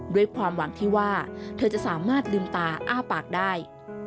ด้วยความหวังที่ว่าเธอจะสามารถลืมตาอ้าปากได้